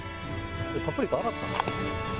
パプリカ洗ったん？